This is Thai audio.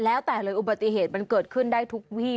แล้วแต่เลยอุบัติเหตุมันเกิดขึ้นได้ทุกวี่